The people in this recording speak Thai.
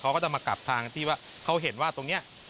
เขาก็จะมากลับทางที่ว่าเขาเห็นว่าตรงนี้